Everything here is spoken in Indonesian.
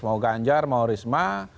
mau ganjar mau risma